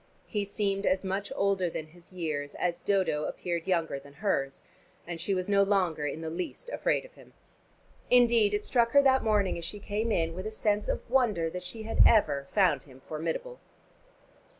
He seemed as much older than his years as Dodo appeared younger than hers, and she was no longer in the least afraid of him. Indeed it struck her that morning as she came in, with a sense of wonder, that she had ever found him formidable.